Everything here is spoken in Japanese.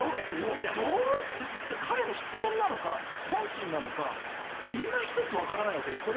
彼の失言なのか本心なのかいま一つわからないわけですよ。